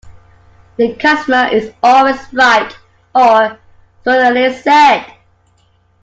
The customer is always right, or so it is said